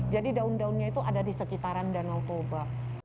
jadi daun daunnya itu ada di sekitaran danau toba